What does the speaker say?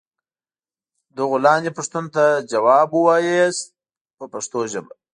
دغو لاندې پوښتنو ته ځواب و وایئ په پښتو ژبه.